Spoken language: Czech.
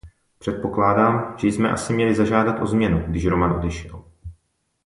Předpokládám, že jsme asi měli zažádat o změnu, když Roman odešel.